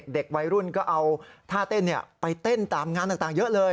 เด็กวัยรุ่นก็เอาท่าเต้นไปเต้นตามงานต่างเยอะเลย